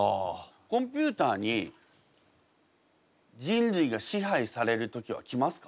コンピューターに人類が支配される時は来ますか？